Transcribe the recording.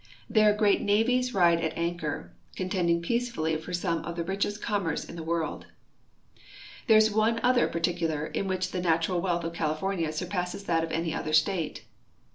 There great navies ride at anchor, contending peacefully for some of the richest commerce of the world. There is one other particular in which the natural wealth of California surpasses that of any other state.